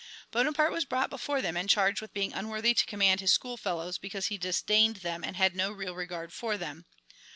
Bonaparte was brought before them and charged with being unworthy to command his schoolfellows because he disdained them and had no real regard for them.